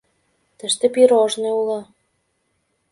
Тыште пирожный уло.